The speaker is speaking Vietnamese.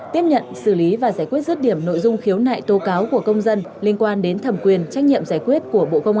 tiếp nhận xử lý và giải quyết rứt điểm nội dung khiếu nại tố cáo của công dân liên quan đến thẩm quyền trách nhiệm giải quyết của bộ công an